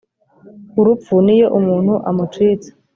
urupfu n Iyo umuntu amucitse